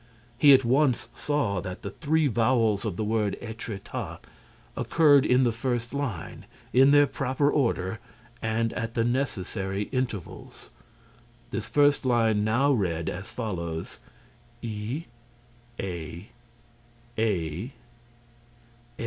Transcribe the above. He at once saw that the three vowels of the word Étretat occurred in the first line, in their proper order and at the necessary intervals. This first line now read as follows: _e . a . a